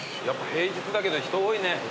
やっぱ平日だけど人多いね。